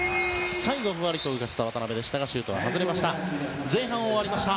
最後、ふわりと浮かせた渡邊でしたがシュートは外れました。